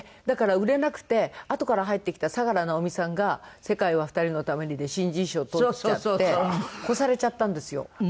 だから売れなくてあとから入ってきた佐原直美さんが『世界は二人のために』で新人賞取っちゃって越されちゃったんですよ。